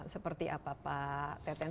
seperti apa pak teten